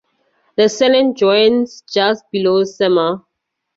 The Cernant joins just below Semur.